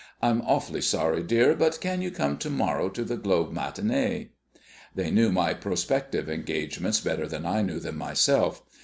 I'm awfully sorry, dear; but can you come to morrow to the Globe matinée?" They knew my prospective engagements better than I knew them myself.